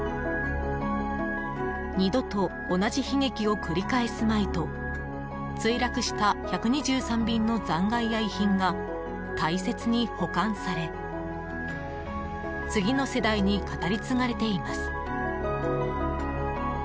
２度と同じ悲劇を繰り返すまいと墜落した１２３便の残骸や遺品が大切に保管され次の世代に語り継がれています。